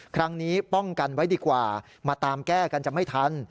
ครั้งนี้ป้องกันไว้ดีกว่ามาตามแก้กันจะไม่ทัน